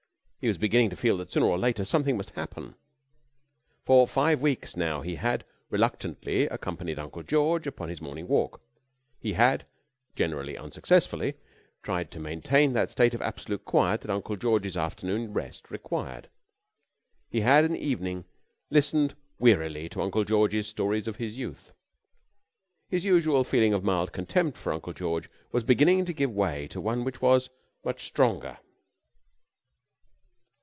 He was beginning to feel that sooner or later something must happen. For five weeks now he had (reluctantly) accompanied Uncle George upon his morning walk, he had (generally unsuccessfully) tried to maintain that state of absolute quiet that Uncle George's afternoon rest required, he had in the evening listened wearily to Uncle George's stories of his youth. His usual feeling of mild contempt for Uncle George was beginning to give way to one which was much stronger.